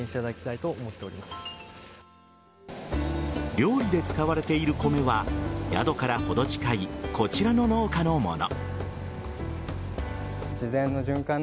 料理で使われている米は宿から程近いこちらの農家のもの。